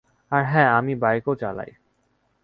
আর হ্যাঁ, আমি বাইকও চালাই।